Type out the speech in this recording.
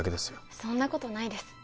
そんなことないです